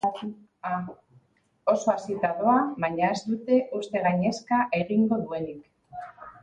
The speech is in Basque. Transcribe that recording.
Oso hazita doa, baina ez dute uste gainezka egingo duenik.